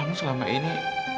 kamu selama ini